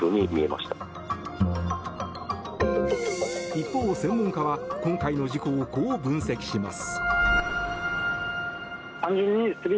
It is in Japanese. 一方、専門家は今回の事故を、こう分析します。